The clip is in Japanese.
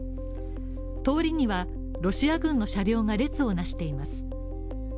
通りにはロシア軍の車両が列を成しています。